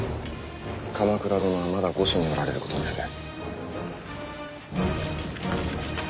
鎌倉殿はまだ御所におられることにする。